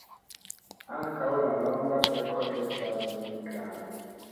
Ankaŭ la longa beko estas nigra.